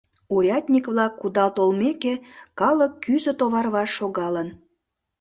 Урядник-влак кудал толмеке, калык кӱзӧ-товар ваш шогалын.